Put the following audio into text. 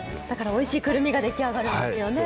おいしいくるみが出来上がるんですよね